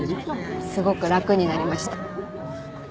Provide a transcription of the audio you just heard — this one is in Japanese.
すごく楽になりました。